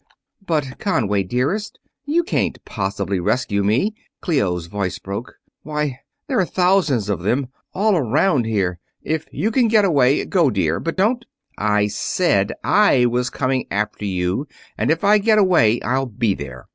"But Conway, dearest, you can't possibly rescue me," Clio's voice broke. "Why, there are thousands of them, all around here. If you can get away, go, dear, but don't...." "I said I was coming after you, and if I get away I'll be there.